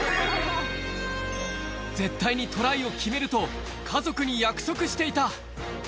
絶対にトライを決めると家族に約束していた。